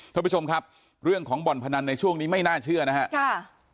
ท่านผู้ชมครับเรื่องของบ่อนพนันในช่วงนี้ไม่น่าเชื่อนะครับ